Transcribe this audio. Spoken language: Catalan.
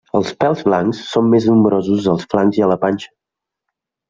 Els pèls blans són més nombrosos als flancs i a la panxa.